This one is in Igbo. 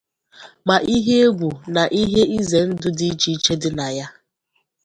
ma ihe égwù na ihe izendụ dị iche iche dị na ya.